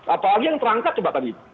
apalagi yang terangkat coba tadi